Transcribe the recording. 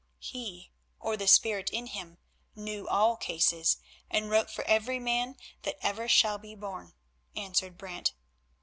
"He, or the Spirit in him, knew all cases, and wrote for every man that ever shall be born," answered Brant.